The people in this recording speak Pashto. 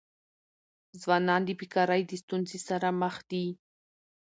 ځوانان د بېکاری د ستونزي سره مخ دي.